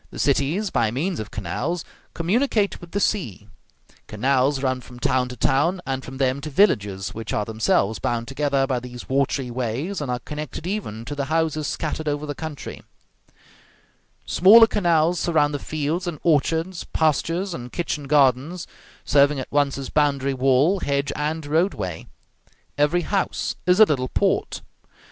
The cities, by means of canals, communicate with the sea; canals run from town to town, and from them to villages, which are themselves bound together by these watery ways, and are connected even to the houses scattered over the country; smaller canals surround the fields and orchards, pastures and kitchen gardens, serving at once as boundary wall, hedge, and road way; every house is a little port.